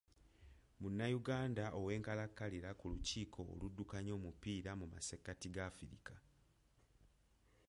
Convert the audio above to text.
Munnayuganda ow’enkalakkalira ku lukiiko oluddukanya omupiira mu massekati ga Afirika.